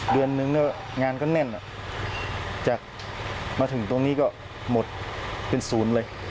เดือนนึงงานก็แน่นจากมาถึงตรงนี้ก็หมดเป็นศูนย์เลย